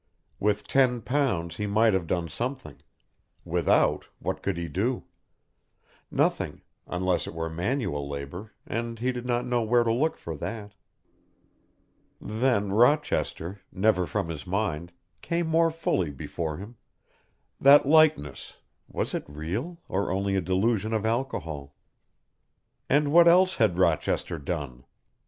With ten pounds he might have done something; without, what could he do? Nothing, unless it were manual labour, and he did not know where to look for that. Then Rochester, never from his mind, came more fully before him that likeness, was it real, or only a delusion of alcohol? And what else had Rochester done?